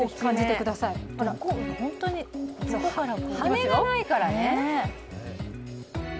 羽根がないからね。